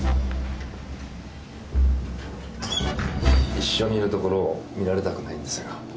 一緒にいるところを見られたくないんですが。